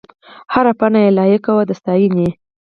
هره پاڼه یې لایق وه د ستاینې.